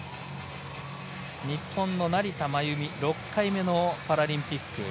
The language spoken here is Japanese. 日本の成田真由美６回目のパラリンピック。